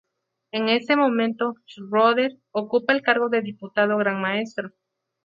En ese momento Schröder ocupa el cargo de Diputado Gran Maestro.